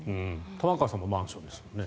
玉川さんもマンションですもんね。